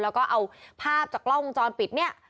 แล้วก็เอาภาพจากกล้องวงจรปิดเนี่ย